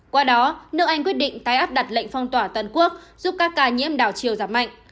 qua đó nước anh quyết định tái áp đặt lệnh phong tỏa toàn quốc giúp các ca nhiễm đảo chiều giảm mạnh